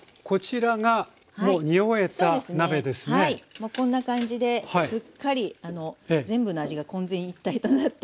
もうこんな感じですっかり全部の味が混然一体となって。